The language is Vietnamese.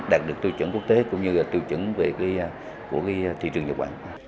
đạt được tư chấn quốc tế cũng như tư chấn của thị trường nhà quản